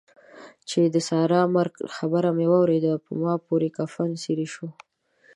چې د سارا د مرګ خبر مې واورېد؛ په ما پورې کفن څيرې شو.